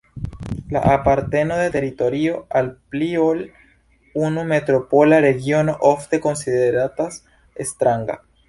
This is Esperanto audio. La aparteno de teritorio al pli ol unu metropola regiono ofte konsideratas stranga.